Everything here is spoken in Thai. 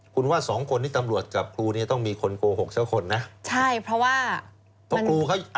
คุณว่าสองคนที่ตำลวจกับครูนี้ต้องมีคนโกโหขเจ้าคนนะใช่เพราะว่า